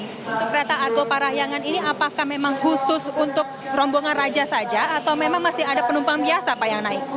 untuk kereta argo parahyangan ini apakah memang khusus untuk rombongan raja saja atau memang masih ada penumpang biasa pak yang naik